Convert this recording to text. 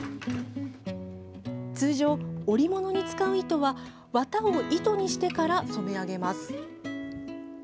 通常、織物に使う糸は綿を糸にしてから染め上げます。